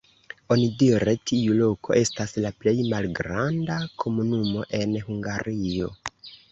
Onidire tiu loko estas la plej malgranda komunumo en Hungario.